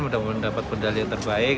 mudah mudahan dapat medali yang terbaik